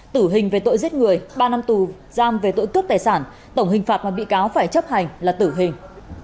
tử hình về tội giết người ba năm tù giam về tội cướp tài sản tổng hình phạt mà bị cáo phải chấp hành là tử hình